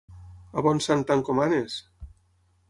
A bon sant t'encomanes!